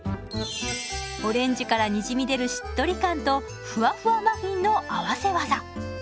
オレンジからにじみ出るしっとり感とふわふわマフィンの合わせ技。